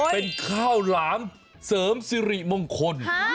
เป็นข้าวหลามเสริมสิริมงคล